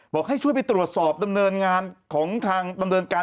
บอกให้ช่วยไปตรวจสอบดำเนินงานของทางดำเนินการ